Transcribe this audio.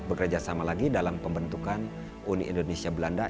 bekerja sama lagi dalam pembentukan uni indonesia belanda